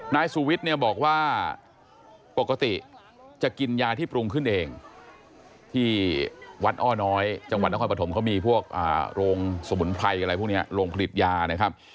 นายสุวิทย์เนี่ยบอกว่าปกติจะกินยาที่ปรุงขึ้นเองที่วัดอ้อน้อยจังหวัดนครปฐมเขามีพวกโรงสมุนไพรอะไรพวกนี้โรงผลิตยานะครับ